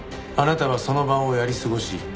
あなたはその場をやり過ごし。